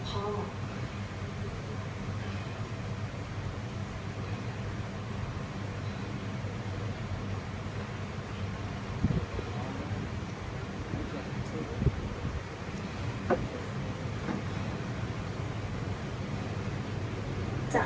การรักจากทางรนไตล่อดให้พ่อรู้สึกไม่เกิดได้